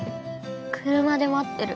車で待ってる。